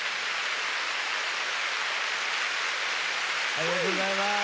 ありがとうございます。